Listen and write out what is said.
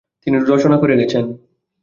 তিনি রচনা করে গেছেন।